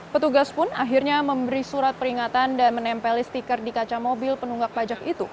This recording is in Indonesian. petugas pun akhirnya memberi surat peringatan dan menempeli stiker di kaca mobil penunggak pajak itu